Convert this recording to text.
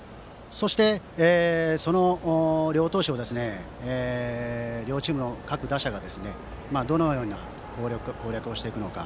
そして、その両投手を両チームの各打者がどのように攻略をしていくのか。